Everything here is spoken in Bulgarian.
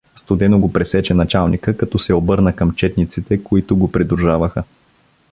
— студено го пресече началника, като се обърна към четниците, които го придружаваха.